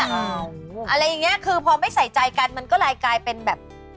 อะไรอย่างนี้คือพอไม่ใส่ใจกันมันก็เลยกลายเป็นแบบ